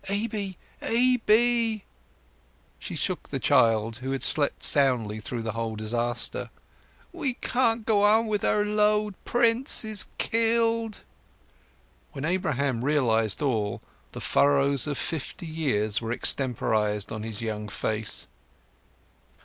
Aby, Aby!" She shook the child, who had slept soundly through the whole disaster. "We can't go on with our load—Prince is killed!" When Abraham realized all, the furrows of fifty years were extemporized on his young face.